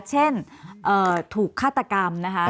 เช่นถูกฆาตกรรมนะคะ